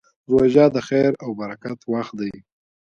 روژه د خیر او برکت وخت دی.